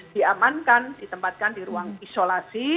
di amankan ditempatkan di ruang isolasi